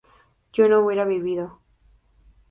yo no hubiera vivido